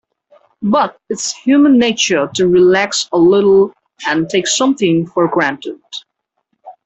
But it's human nature to relax a little and take something for granted.